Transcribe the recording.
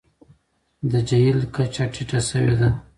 د جهیل کچه ټیټه شوې ده.